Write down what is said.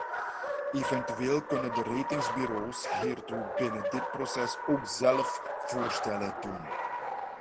Eventueel kunnen de ratingbureaus hiertoe binnen dit proces ook zelf voorstellen doen.